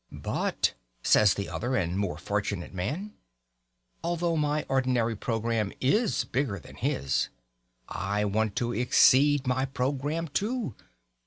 "But," says the other and more fortunate man, "although my ordinary programme is bigger than his, I want to exceed my programme too!